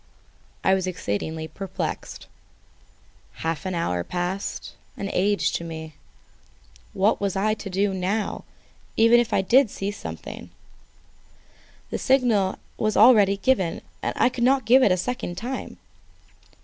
I was exceedingly perplexed. Half an hour passed, an age to me. What was I to do now, even if I saw something? The signal once given I could not give it a second time.